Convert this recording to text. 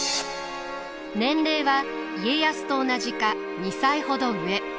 年齢は家康と同じか２歳ほど上。